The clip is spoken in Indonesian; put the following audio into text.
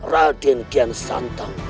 raden kian santang